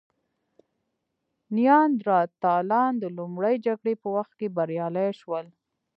نیاندرتالان د لومړۍ جګړې په وخت کې بریالي شول.